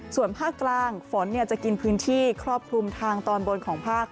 ส่วนภาคกลางฝนจะกินพื้นที่ครอบคลุมทางตอนบนของภาค